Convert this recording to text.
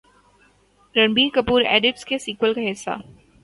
Ranbir Kapoor Idiots کے sequel کا حصہ